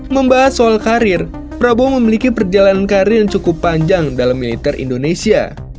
membahas soal karir prabowo memiliki perjalanan karir yang cukup panjang dalam militer indonesia